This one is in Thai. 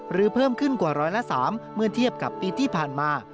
หรือเพิ่มขึ้นกว่า๑๐๓บาทเมื่อเทียบกับปีที่ผ่านมา